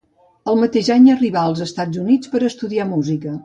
El mateix any arribà als Estats Units per a estudiar música.